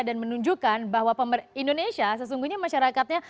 dan menunjukkan bahwa indonesia sesungguhnya masyarakatnya